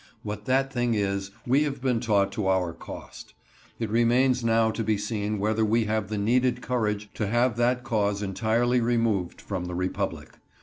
What that thing is, we have been taught to our cost. It remains now to be seen whether we have the needed courage to have that cause entirely removed from the Republic.